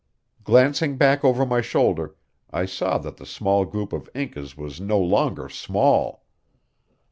Glancing back over my shoulder, I saw that the small group of Incas was no longer small.